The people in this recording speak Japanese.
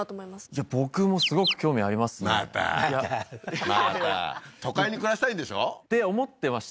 いや僕もすごく興味ありますねまたまたまた都会に暮らしたいんでしょ？って思ってました